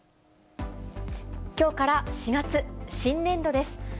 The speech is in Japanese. きょうから４月、新年度です。